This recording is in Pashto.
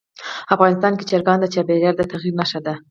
افغانستان کې چرګان د چاپېریال د تغیر نښه ده.